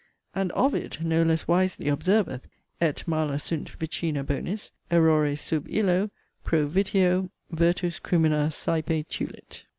And 'Ovid' no less wisely observeth: 'Et mala sunt vicina bonis. Errore sub illo Pro vitio virtus crimina sæpe tulit.'